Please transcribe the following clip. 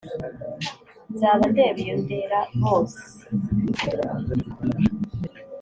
Nzaba ndeba iyo nderabose